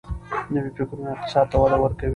نوي فکرونه اقتصاد ته وده ورکوي.